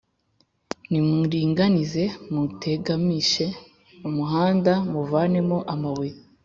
nimuringanize, mutegamishe umuhanda, muvanemo amabuye,